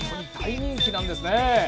元気なんですね。